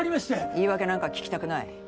言い訳なんか聞きたくない。